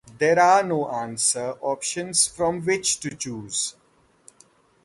There are no answer options from which to choose.